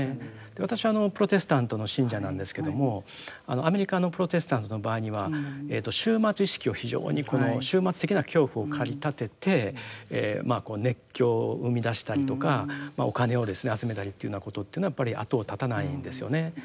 私はプロテスタントの信者なんですけどもアメリカのプロテスタントの場合には終末意識を非常にこの終末的な恐怖を駆り立てて熱狂を生み出したりとかお金を集めたりというようなことというのはやっぱり後を絶たないんですよね。